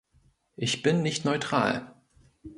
Ich bin nicht neutral.